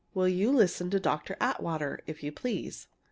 Will you listen to Dr. Atwater, if you please?"